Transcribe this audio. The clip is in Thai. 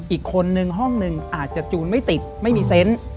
อีกคนนึงห้องหนึ่งอาจจะจูนไม่ติดไม่มีเซนต์